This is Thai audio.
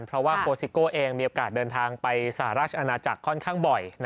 เพราะว่าโคซิโก้เองมีโอกาสเดินทางไปสหราชอาณาจักรค่อนข้างบ่อย